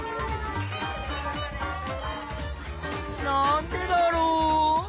なんでだろう？